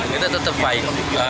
kita tetap baik